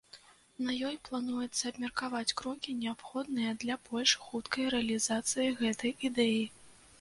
На ёй плануецца абмеркаваць крокі, неабходныя для больш хуткай рэалізацыі гэтай ідэі.